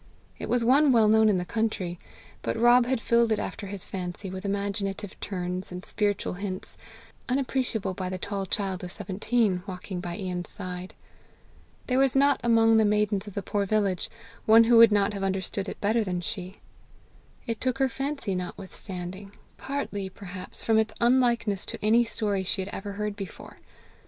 It was one well known in the country, but Rob had filled it after his fancy with imaginative turns and spiritual hints, unappreciable by the tall child of seventeen walking by Ian's side. There was not among the maidens of the poor village one who would not have understood it better than she. It took her fancy notwithstanding, partly, perhaps, from its unlikeness to any story she had ever heard before.